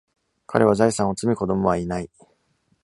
彼は財産を積み、子供はいない。